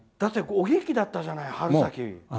お元気だったじゃない春先。